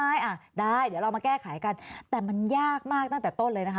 อ่ะได้เดี๋ยวเรามาแก้ไขกันแต่มันยากมากตั้งแต่ต้นเลยนะคะ